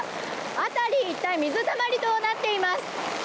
辺り一帯水たまりとなっています。